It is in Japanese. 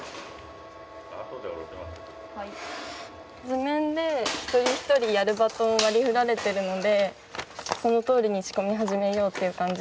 図面で一人一人やるバトンを割り振られてるのでその通りに仕込み始めようという感じで。